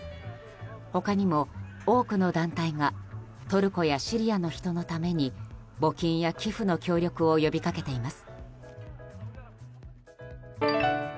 他にも多くの団体がトルコやシリアの人のために募金や寄付の協力を呼び掛けています。